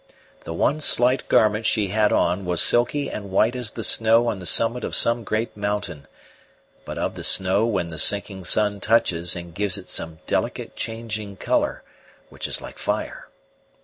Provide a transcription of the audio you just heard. The one slight garment she had on was silky and white as the snow on the summit of some great mountain, but of the snow when the sinking sun touches and gives it some delicate changing colour which is like fire.